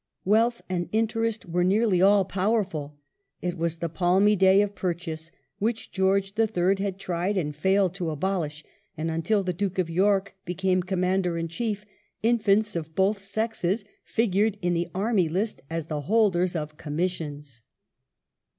Wealth and interest were nearly all power ful ; it was the palmy day of purchase which George the Third had tried and had failed to abolish, and, until the Duke of York became Commander in Chief, infants of both sexes figured in the army list as the holders of commissions.